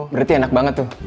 berarti enak banget tuh